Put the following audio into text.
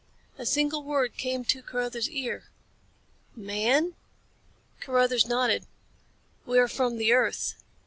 A single word came to Carruthers' ear "Man?" Carruthers nodded. "We are from the earth."